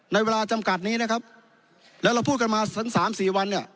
ในเวลาจำกัดนี้นะครับแล้วเราพูดกันมาสามสี่วันเนี่ย